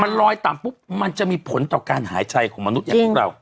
มันลอยต่ำปุ๊บมันจะมีผลต่อการหายใจของมนุษย์อย่างพวกเรา